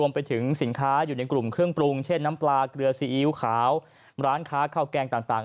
ไปถึงสินค้าอยู่ในกลุ่มเครื่องปรุงเช่นน้ำปลาเกลือซีอิ๊วขาวร้านค้าข้าวแกงต่าง